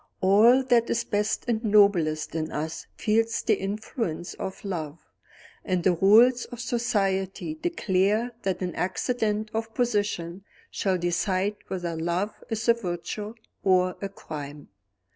All that is best and noblest in us feels the influence of love and the rules of society declare that an accident of position shall decide whether love is a virtue or a crime.